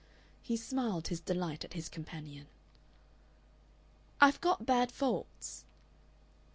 He smiled his delight at his companion. "I've got bad faults."